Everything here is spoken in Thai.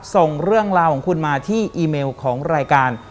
ส่งเรื่องราวของคุณมาที่อีเมลของรายการ